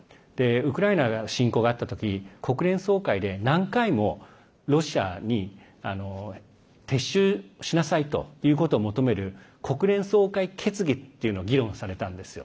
ウクライナ侵攻があった時国連総会で何回もロシアに撤収しなさいということを求める国連総会決議っていうのが議論されたんですよ。